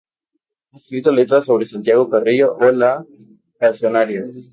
Han escrito letras sobre Santiago Carrillo o la Pasionaria.